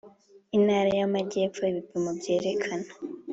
Intara y Amajyepfo ibipimo byerekana